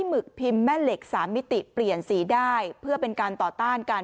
หึกพิมพ์แม่เหล็กสามมิติเปลี่ยนสีได้เพื่อเป็นการต่อต้านกัน